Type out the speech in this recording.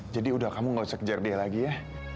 jadi udah kamu gak usah kejar dia lagi ya